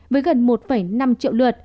với gần một năm triệu lượt